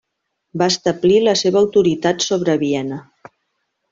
Va establir la seva autoritat sobre Viena.